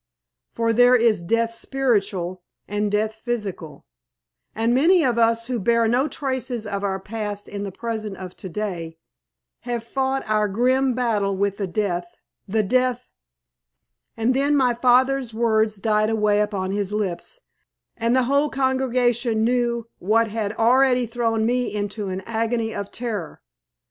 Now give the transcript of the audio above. For there is Death spiritual and Death physical, and many of us who bear no traces of our past in the present of to day, have fought our grim battle with the death the death " And then my father's words died away upon his lips, and the whole congregation knew what had already thrown me into an agony of terror.